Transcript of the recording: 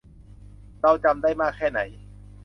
เราจำได้มากแค่ไหน